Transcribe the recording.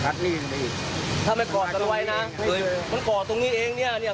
ล้มหมดเลยแล้วในหน้าเลยแล้วมันก็หวนหวนหน้านี้